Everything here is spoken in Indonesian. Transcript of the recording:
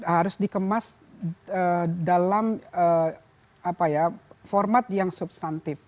harus dikemas dalam format yang substantif